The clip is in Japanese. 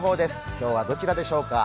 今日はどららでしょうか。